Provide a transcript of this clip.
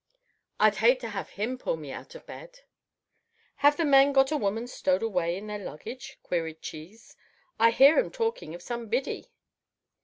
I'd hate to have him pull me out of bed. "Have the men got a woman stowed away in their luggage?" queried Cheese; "I hear 'em talking of some biddy."